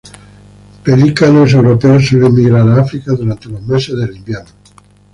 Pelícanos europeos suelen migrar a África durante los meses del invierno.